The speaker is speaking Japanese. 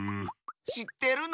しってるの？